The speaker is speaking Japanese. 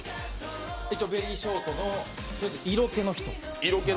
一応ベリーショートの色気の人。